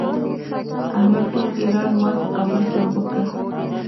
احمد ټول ايران مال په کابل کې اوبه کړ.